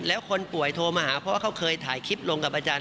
แล้วคนป่วยโทรมาหาเพราะว่าเขาเคยถ่ายคลิปลงกับอาจารย์